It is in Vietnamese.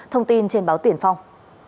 thông tin trên báo tiền phong